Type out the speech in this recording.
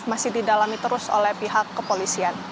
masih didalami terus oleh pihak kepolisian